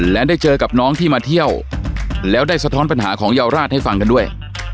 และได้เจอกับน้องที่มาเที่ยวแล้วได้สะท้อนปัญหาของเยาวราชให้ฟังกันด้วย